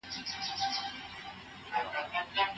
که ته غریب یې نو ستا خبره څوک نه اوري.